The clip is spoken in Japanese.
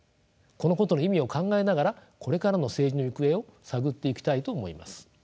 このことの意味を考えながらこれからの政治の行方を探っていきたいと思います。